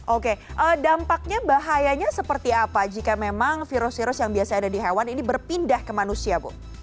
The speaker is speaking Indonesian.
oke dampaknya bahayanya seperti apa jika memang virus virus yang biasa ada di hewan ini berpindah ke manusia bu